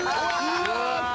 うわ！